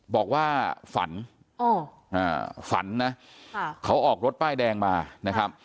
บอกว่าฝันฝันนะเขาออกรถป้ายแดงมานะครับ